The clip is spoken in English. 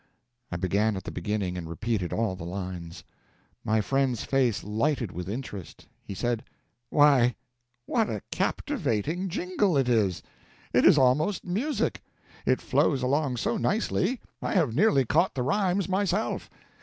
I began at the beginning and repeated all the lines. My friend's face lighted with interest. He said: "Why, what a captivating jingle it is! It is almost music. It flows along so nicely. I have nearly caught the rhymes myself.